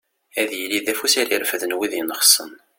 Ad yili d afus ara irefden wid yenxessen.